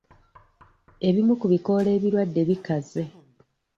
Ebimu ku bikoola ebirwadde bikaze.